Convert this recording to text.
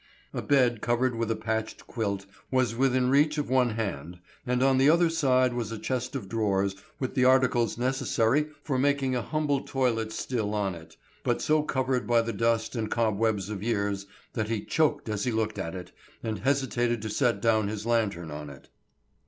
A bed covered with a patched quilt was within reach of one hand, and on the other side was a chest of drawers with the articles necessary for making an humble toilet still on it, but so covered by the dust and cobwebs of years that he choked as he looked at it, and hesitated to set down his lantern on it.